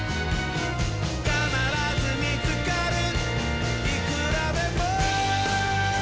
「かならずみつかるいくらでも」